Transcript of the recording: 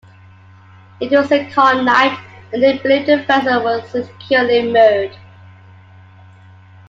It was a calm night and they believed the vessel was securely moored.